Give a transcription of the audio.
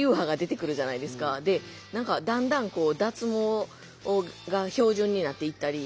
だんだん脱毛が標準になっていったり。